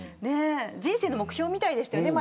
人生の目標みたいでしたものね